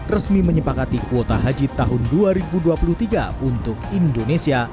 resmi menyepakati kuota haji tahun dua ribu dua puluh tiga untuk indonesia